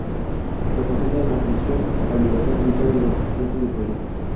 Representa a la región La Libertad ubicada en el norte del Perú.